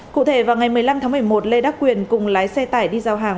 cụ thể vào ngày một mươi năm tháng một mươi một lê đắc quyền cùng lái xe tải đi giao hàng